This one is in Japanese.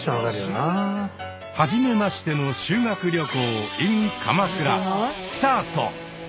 はじめましての修学旅行ｉｎ鎌倉スタート！